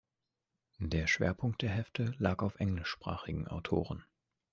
Der Schwerpunkt der Hefte lag auf englischsprachigen Autoren.